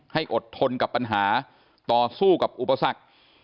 ให้อดทนกับปัญหาต่อสู้กับอุปสรรค